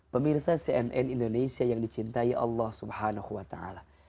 pemirsa cnn indonesia yang dicintai allah subhanahu wa ta'ala